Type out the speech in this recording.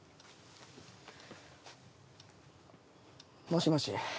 もしもし。